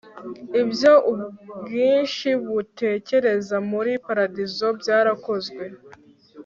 Icyo ubwinshi butekereza muri paradizo bwarakozwe